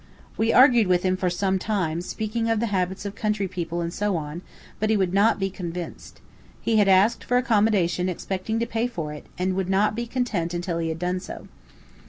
We argued with him for some time, speaking of the habits of country people and so on, but he would not be convinced. He had asked for accommodation expecting to pay for it, and would not be content until he had done so.